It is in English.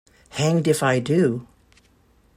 Hanged if I do!